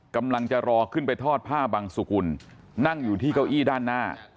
กำลังจะรอขึ้นไปทอดผ้าบังสุกุลนั่งอยู่ที่เก้าอี้ด้านหน้า